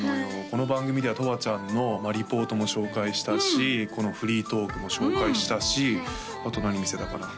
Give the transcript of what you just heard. この番組ではとわちゃんのリポートも紹介したしこのフリートークも紹介したしあと何見せたかな？